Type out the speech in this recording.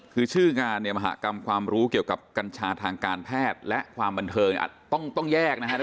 คือชื่องานเนี่ยมหากรรมความรู้เกี่ยวกับกัญชาทางการแพทย์และความบันเทิงอาจต้องแยกนะฮะ